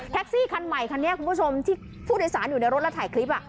คันใหม่คันนี้คุณผู้ชมที่ผู้โดยสารอยู่ในรถแล้วถ่ายคลิป